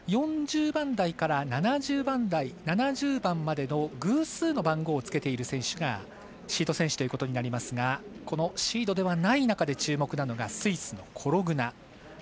４０番台から７０番までの偶数の番号をつけている選手がシード選手となりますがシードではない中で注目なのがスイスのコログナ。